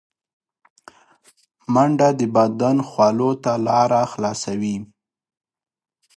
منډه د بدن خولو ته لاره خلاصوي